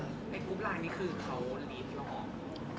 ในกลุ๊ปไลก์นี้คือเขาลีนลองออก